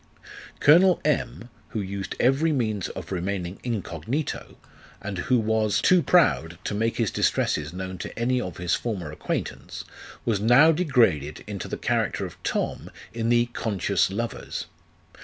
Colonel M., who used every means of remaining incognito, and who was LIFE OF KICHARD NASH. 71 too proud to make his distresses known to any of his former acquaintance, was now degraded into the character of Tom in the " Conscious Lovers."